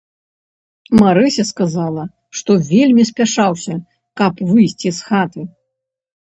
Марыся сказала, што вельмі спяшаўся, каб выйсці з хаты.